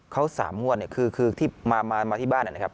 เขาสามงวดเนี้ยคือคือที่มามามาที่บ้านเนี้ยนะครับ